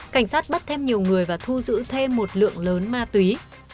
cảnh sát bắt thêm nhiều người và thu giữ thêm một lượng lớn ma túy